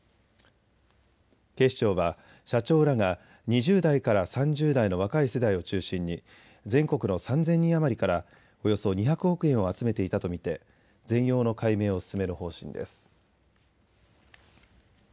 警視庁は社長らが２０代から３０代の若い世代を中心に全国の３０００人余りからおよそ２００億円を集めていたと見て全容の解明を進める方針です。